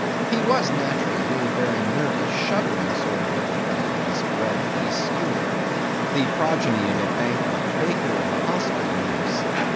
He was naturally a very nervous, shuddering sort of little fellow, this bread faced steward; the progeny of a bankrupt baker and a hospital nurse.